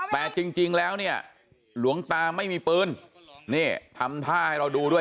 แต่จริงแล้วเนี่ยหลวงตาไม่มีปืนนี่ทำท่าให้เราดูด้วย